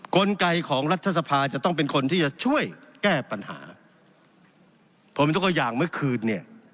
กลไกของรัฐสภาจะต้องเป็นคนที่จะช่วยแก้ปัญหาผมยกตัวอย่างเมื่อคืนเนี่ย